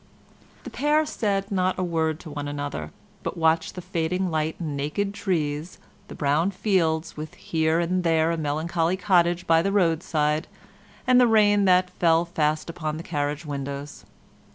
The pair said not a word to one another, but watched the fading light and naked trees, the brown fields with here and there a melancholy cottage by the road side, and the rain that fell fast upon the carriage windows.